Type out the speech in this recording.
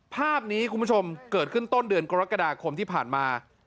ภาพนี้คุณผู้ชมเกิดขึ้นต้นเดือนกรกฎาคมที่ผ่านมา